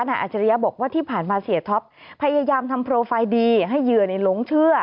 อาจริยะบอกว่าที่ผ่านมาเสียท็อปพยายามทำโปรไฟล์ดีให้เหยื่อหลงเชื่อ